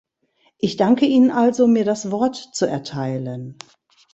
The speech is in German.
Ich danke Ihnen also, mir das Wort zu erteilen.